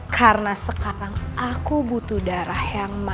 karena sekarang aku butuh darah yang mantul